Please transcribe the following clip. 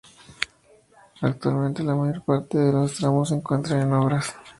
Actualmente la mayor parte de los tramos se encuentran en obras.